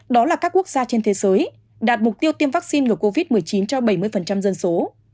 đó là các quốc gia trên thế giới đạt mục tiêu tiêm vaccine ngừa covid một mươi chín cho bảy mươi dân số